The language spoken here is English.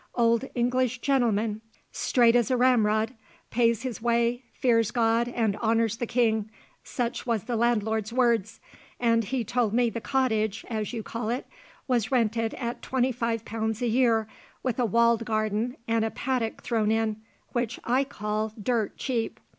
Old English gentleman, straight is a ramrod pays his way, fears God and honours the King such was the landlord's words; and he told me the cottage, as you call it, was rented at twenty five pounds a year, with a walled garden an' a paddock thrown in, which I call dirt cheap."